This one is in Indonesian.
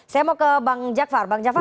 saya mau ke bang jakfar bang jafar